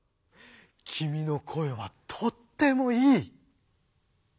きみの声はとってもいい」。